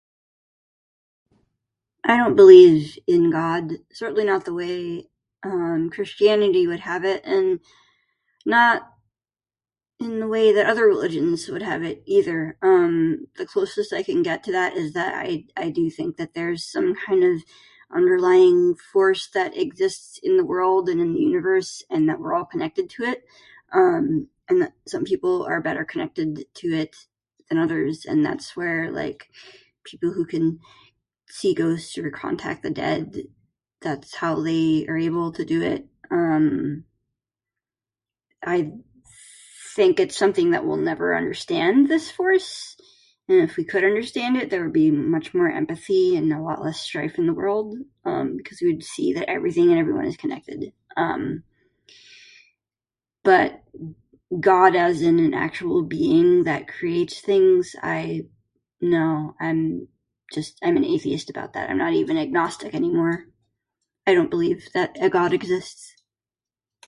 I don't believe in god. Certainly not the way, um, Christianity would have it and not in the way that other religions would have it, either. Um, the closest I can get to that is that I I do think that there is some kind of underlying force that exists in the world and in the universe and that we're all connected to it. Um, and that some people are better connected to it than others. And that's where, like, people who can see ghosts or contact the dead... that's how they are able do it. Um, I think it's something that we'll never understand, this force. And if we could understand it, there would be much more empathy and a lot less strife in the world, um, because we would see that everything and everyone is connected. Um, but god as in an actual being that creates things? I... no, I'm... just, I'm an atheist about that, I'm not even agnostic anymore. I don't believe that a god exists.